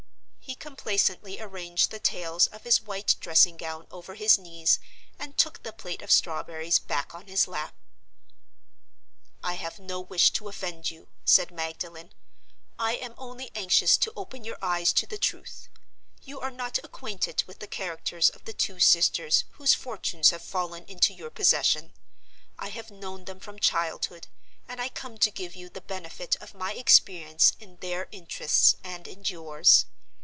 He complacently arranged the tails of his white dressing gown over his knees and took the plate of strawberries back on his lap. "I have no wish to offend you," said Magdalen. "I am only anxious to open your eyes to the truth. You are not acquainted with the characters of the two sisters whose fortunes have fallen into your possession. I have known them from childhood; and I come to give you the benefit of my experience in their interests and in yours.